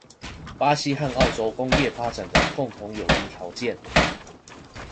巴西和澳洲工業發展的共同有利條件